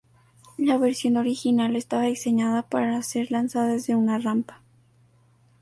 La versión original estaba diseñada para ser lanzada desde una rampa.